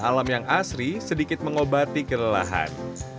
alam yang asri sedikit mengobati kelelahan